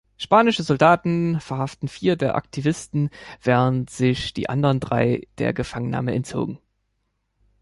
Spanische Soldaten verhafteten vier der Aktivisten, während sich die anderen drei der Gefangennahme entzogen.